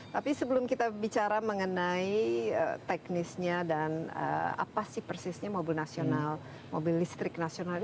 tapi sebelum kita bicara mengenai teknisnya dan apa sih persisnya mobil listrik nasional